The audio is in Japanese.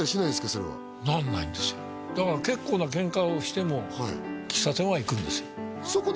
それはなんないんですよだから結構なケンカをしても喫茶店は行くんですよ